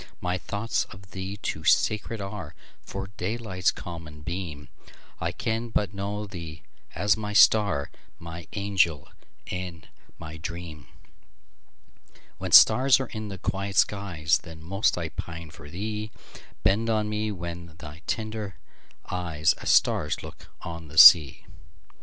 My thoughts of thee too sacred areFor daylight's common beam:I can but know thee as my star, My angel and my dream; When stars are in the quiet skies, Then most I pine for thee; Bend on me then thy tender eyes, As stars look on the sea!